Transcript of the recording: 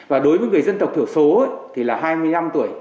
và đối với người dân tộc thiểu số thì là hai mươi năm tuổi